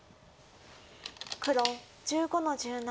黒１５の十七。